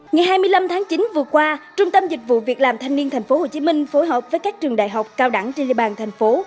ngày hai mươi năm tháng chín vừa qua trung tâm dịch vụ việc làm thanh niên tp hcm phối hợp với các trường đại học cao đẳng trên địa bàn thành phố